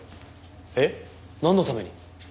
えっなんのために？